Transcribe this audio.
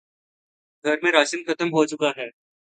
گھر میں راشن ختم ہو چکا ہے